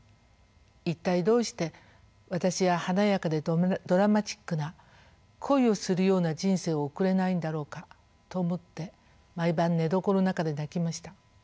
一体どうして私は華やかでドラマチックな恋をするような人生を送れないんだろうか」と思って毎晩寝床の中で泣きました。